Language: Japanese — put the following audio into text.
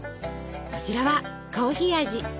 こちらはコーヒー味。